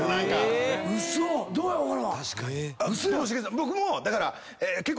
僕もだから結構。